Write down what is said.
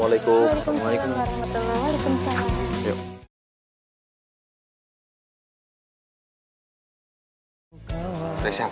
waalaikumsalam waalaikumsalam waalaikumsalam waalaikumsalam